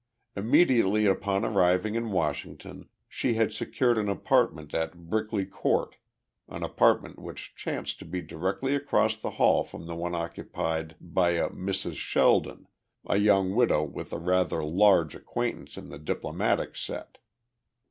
Immediately upon arriving in Washington she had secured an apartment at Brickley Court, an apartment which chanced to be directly across the hall from the one occupied by a Mrs. Sheldon, a young widow with a rather large acquaintance in the diplomatic set.